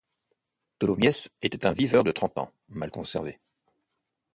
Tholomyès était un viveur de trente ans, mal conservé.